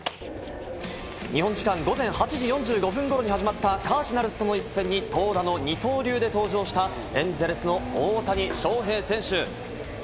日本時間午前８時４５分頃に始まったカージナルスとの一戦に、投打の二刀流で登場した、エンゼルスの大谷翔平選手。